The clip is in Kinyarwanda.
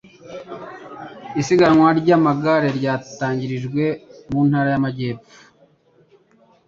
isigaganwa ry' amagare ryatangirijwe mu Ntara y'Amajyepfo